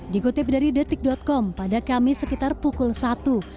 dikutip dari detik com pada kamis sekitar pukul satu